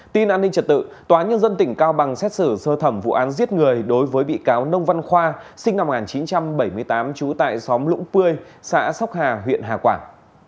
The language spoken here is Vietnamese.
tin an ninh trật tự tòa nhân dân tỉnh cao bằng xét xử sơ thẩm vụ án giết người đối với bị cáo nông văn khoa sinh năm một nghìn chín trăm bảy mươi tám trú tại xóm lũng pươi xã sóc hà huyện hà quảng